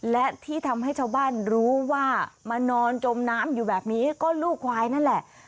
และที่ทำให้ชาวบ้านรู้ว่ามานอนจมน้ำอยู่แบบนี้ก็ลูกควายนั่นแหละ